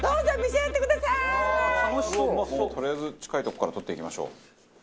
とりあえず近い所から取っていきましょう。